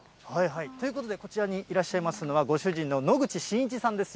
ということで、こちらにいらっしゃいますのは、ご主人の野口真一さんです。